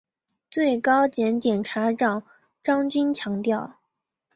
最高检检察长张军强调